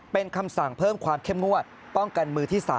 เป็นคำสั่งเพิ่มความเข้มงวดป้องกันมือที่๓